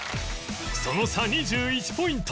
その差２１ポイント